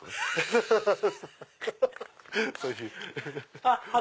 ハハハハハ！